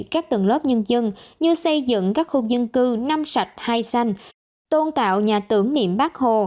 các tầng lớp nhân dân như xây dựng các khu dân cư năm sạch hai xanh tôn tạo nhà tưởng niệm bắc hồ